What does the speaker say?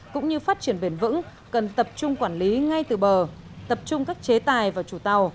cũng như phát triển bền vững cần tập trung quản lý ngay từ bờ tập trung các chế tài và chủ tàu